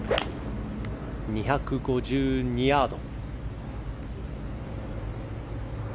２５２ヤード。